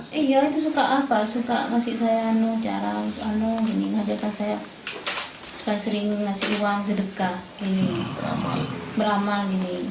sebenarnya taat pribadi tidak pernah berjumpa dengan istri istri yang beramal